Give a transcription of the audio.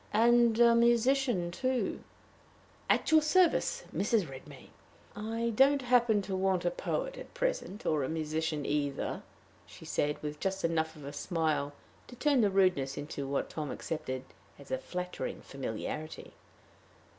"And a musician, too?" "At your service, Mrs. Redmain." "I don't happen to want a poet at present or a musician either," she said, with just enough of a smile to turn the rudeness into what Tom accepted as a flattering familiarity.